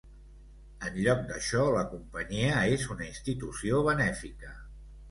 En lloc d'això, la companyia és una institució benèfica.